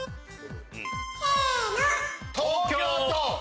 ・せの！